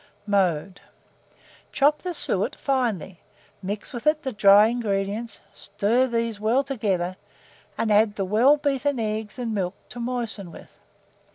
] Mode. Chop the suet finely; mix with it the dry ingredients; stir these well together, and add the well beaten eggs and milk to moisten with.